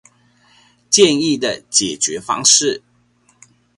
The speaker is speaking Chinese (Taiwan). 建議的解決方式